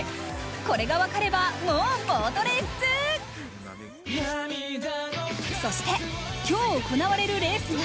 これが分かれば、もうボートレース通。